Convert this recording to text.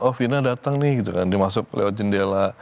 oh vina datang nih dimasuk lewat jendela